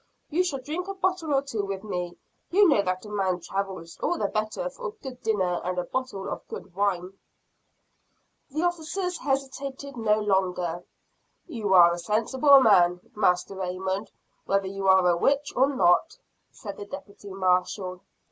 You shall drink a bottle or two with me. You know that a man travels all the better for a good dinner and a bottle of good wine." The officers hesitated no longer. "You are a sensible man, Master Raymond, whether you are a witch or not," said the deputy marshall.